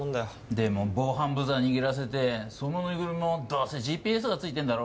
でも防犯ブザー握らせてそのぬいぐるみもどうせＧＰＳがついてんだろ？